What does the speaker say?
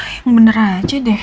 yang bener aja deh